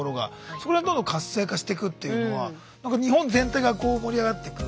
それがどんどん活性化してくっていうのは日本全体がこう盛り上がってく。